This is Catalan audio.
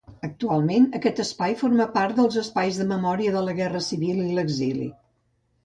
Actualment aquest espai forma part dels espais de memòria de la Guerra Civil i l'exili.